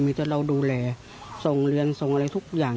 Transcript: มีแต่เราดูแลส่งเรียนส่งอะไรทุกอย่าง